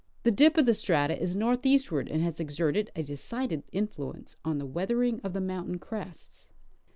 The dip of the strata is northeastward, and has exerted a decided influence on the Aveathering of the mountain crests.